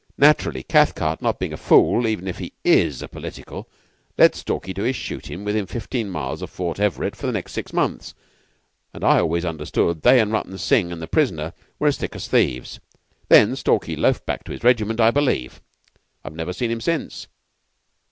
"Naturally, Cathcart not being a fool, even if he is a Political, let Stalky do his shooting within fifteen miles of Fort Everett for the next six months, and I always understood they and Rutton Singh and the prisoner were as thick as thieves. Then Stalky loafed back to his regiment, I believe. I've never seen him since."